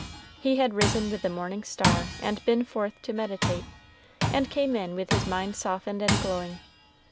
He had risen with the morning star and been forth to meditate, and came in with his mind softened and glowing.